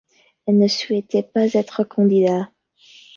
Elle ne souhaitait pas être candidate.